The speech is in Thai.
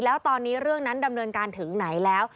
แล้วตอนนี้เรื่องนั้นดำเนินการถึงไหนแล้ว